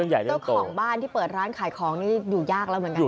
เจ้าของบ้านที่เปิดร้านขายของนี่อยู่ยากแล้วเหมือนกัน